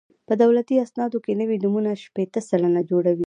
په دولتي اسنادو کې نوي نومونه شپېته سلنه جوړوي